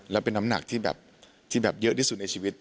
แล้วเป็นน้ำหนักที่แบบที่แบบเยอะที่สุดในชีวิต